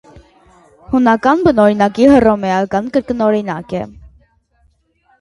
Հունական բնօրինակի հռոմեական կրկնօրինակն է։